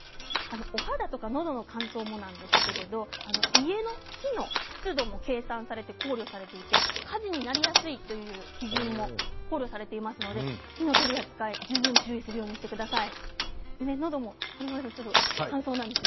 お肌や、のどの乾燥ですが家の木の湿度も計算されて考慮されていて火事になりやすいという基準も考慮されていますので火の取り扱いに十分注意するようにしてください。